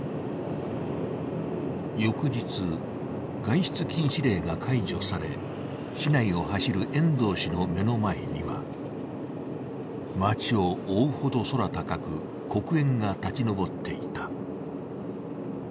翌日、外出禁止令が解除され、市内を走る遠藤氏の目の前には街を多うほど空高く黒煙が立ち上っていた。